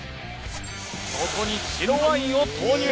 ここに白ワインを投入